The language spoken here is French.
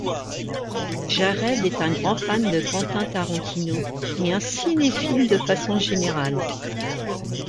Jared est un grand fan de Quentin Tarantino et un cinéphile de façon générale.